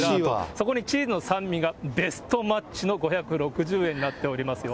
そこにチーズの酸味がベストマッチの５６０円になっておりますよ。